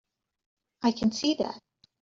I can see that.